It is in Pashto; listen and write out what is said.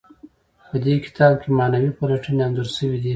په دې کتاب کې معنوي پلټنې انځور شوي دي.